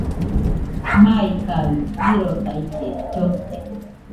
Maikaɨ jirosaille llote